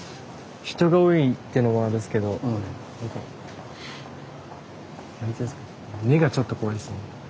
人が多いっていうのもあるんすけど何ていうんすか目がちょっと怖いっすね。